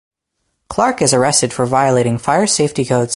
Clark is arrested for violating fire safety codes.